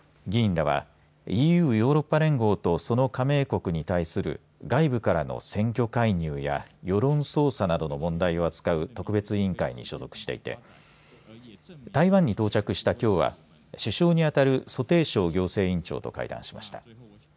議員らは、ＥＵヨーロッパ連合とその加盟国に対する外部からの選挙介入や世論操作などの問題を扱う特別委員会に所属していて台湾に到着したきょうは首相にあたる蘇貞昌行政院長と会談しました。